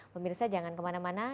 pemirsa jangan kemana mana